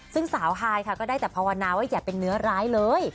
ซึ่งสาวฮายค่ะก็ได้แต่ภาวนาว่าอย่าเป็นเนื้อร้ายเลย